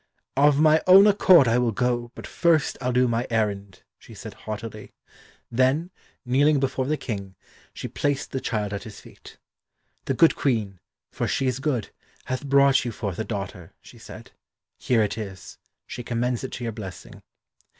"Of my own accord I will go, but first I'll do my errand," she said haughtily. Then, kneeling before the King, she placed the child at his feet. "The good Queen for she is good hath brought you forth a daughter," she said. "Here it is; she commends it to your blessing."